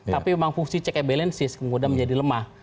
tapi memang fungsi check and balances kemudian menjadi lemah